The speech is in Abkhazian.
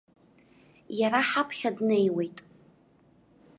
Иара ҳаԥхьа днеиуеит.